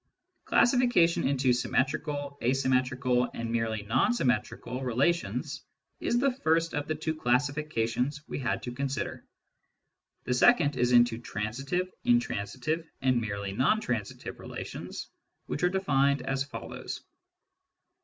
•. Classification into symmetrical, asymmetrical, and merely non symmetrical relations is the first of the two classifica tions we had to consider. The second is into transitive, intransitive, and merely non transitive relations, which are defined as follows.